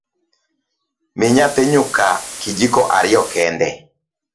Mi nyathi nyuka kijiko ariyo kende